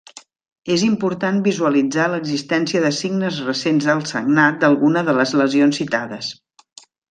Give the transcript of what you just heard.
És important visualitzar l'existència de signes recents de sagnat d'alguna de les lesions citades.